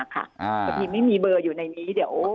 บางทีไม่มีเบอร์อยู่ในนี้เดี๋ยว